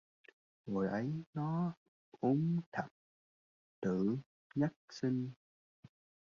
Hồi ấy nó ốm thập tử Nhất Sinh